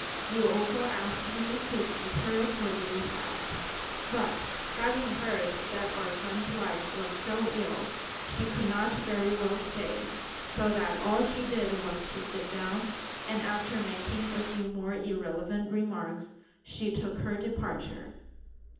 You also asked me to keep her for the repast, but, having heard that our son's wife was so ill she could not very well stay, so that all she did was to sit down, and after making a few more irrelevant remarks, she took her departure.